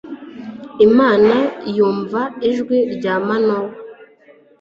imana yumva ijwi rya manowa